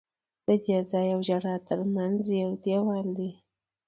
د دې ځای او ژړا ترمنځ یو دیوال دی.